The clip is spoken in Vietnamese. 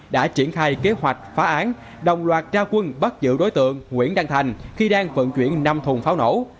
đã triển khai kế hoạch phá án đồng loạt trao quân bắt giữ đối tượng nguyễn đăng thành khi đang vận chuyển năm thùng pháo nổ